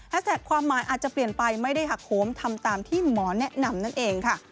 แท็กความหมายอาจจะเปลี่ยนไปไม่ได้หักโคมทำตามที่หมอแนะนำนั่นเองค่ะ